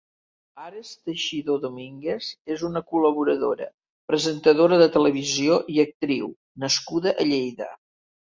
Ares Teixidó Domínguez és una col·laboradora, presentadora de televisió i actriu nascuda a Lleida.